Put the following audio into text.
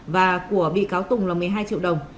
và của bị cáo tùng là một mươi hai triệu đồng